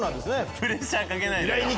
プレッシャーかけないで。